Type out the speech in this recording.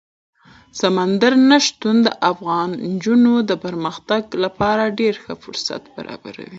سمندر نه شتون د افغان نجونو د پرمختګ لپاره ډېر ښه فرصتونه برابروي.